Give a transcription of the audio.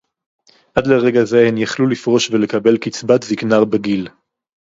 עד לרגע זה הן יכלו לפרוש ולקבל קצבת זיקנה בגיל